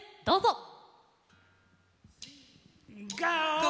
どうぞ！